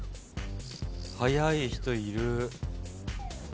早い人いる。